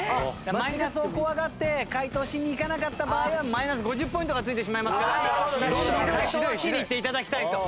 マイナスを怖がって解答しにいかなかった場合はマイナス５０ポイントがついてしまいますからどんどん解答はしにいって頂きたいと。